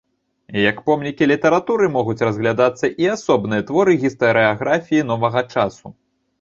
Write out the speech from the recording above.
Як помнікі літаратуры могуць разглядацца і асобныя творы гістарыяграфіі новага часу.